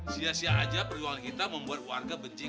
sia sia aja perjuangan kita membuat warga benci kita